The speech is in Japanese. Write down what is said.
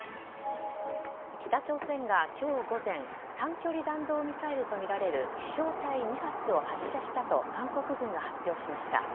北朝鮮が今日午前短距離弾道ミサイルとみられる飛翔体２発を発射したと韓国軍が発表しました。